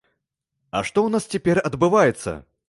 А што ў нас цяпер адбываецца?